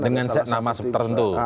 dengan nama tertentu